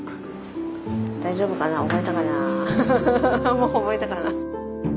もう覚えたかな？